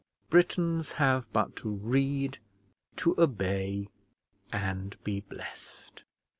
Britons have but to read, to obey, and be blessed.